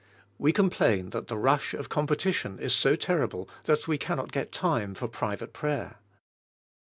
We complain that the rush of competition is so terrible that we can not get time for private prayer.